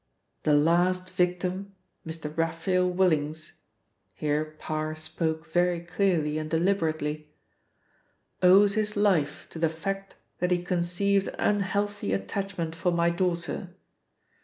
"The last victim, Mr. Raphael Willings," here Parr spoke very clearly and deliberately, "owes his life to the fact that he conceived an unhealthy attachment for my daughter.